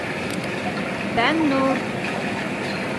Фәннүр!..